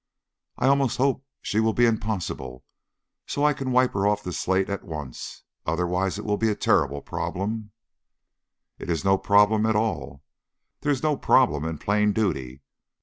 "I almost hope she will be impossible, so that I can wipe her off the slate at once. Otherwise it will be a terrible problem." "It is no problem at all. There is no problem in plain duty.